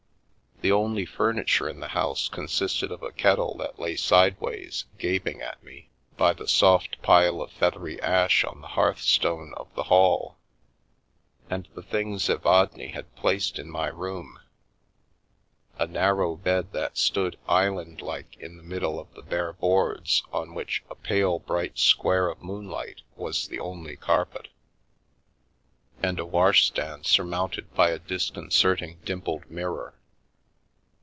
The only furni ture in the house consisted of a kettle that lay sideways, gaping at me, by the soft pile of feathery ash on the hearthstone of the hall ; and the things Evadne had placed in my room — a narrow bed that stood island like in the middle of the bare boards on which a pale bright square of moonlight was the only carpet, and a washstand sur mounted by a disconcerting dimpled mirror.